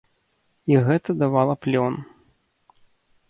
І гэта давала плён.